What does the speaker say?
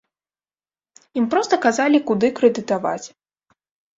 Ім проста казалі, куды крэдытаваць.